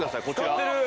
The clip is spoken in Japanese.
光ってる。